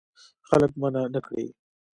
خلک منع نه کړې.